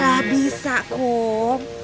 nggak bisa kom